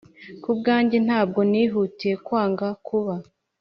Ku bwanjye ntabwo nihutiye kwanga kuba